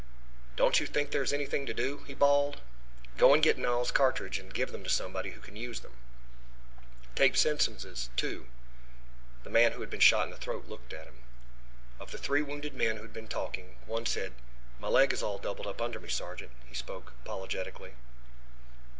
"Don't you think there is anything to do?" he bawled. "Go and get Knowles' cartridges and give them to somebody who can use them! Take Simpson's too." The man who had been shot in the throat looked at him. Of the three wounded men who had been talking, one said: "My leg is all doubled up under me, sergeant." He spoke apologetically.